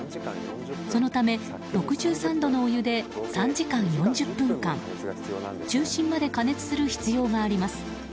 そのため、６３度のお湯で３時間４０分間中心まで加熱する必要があります。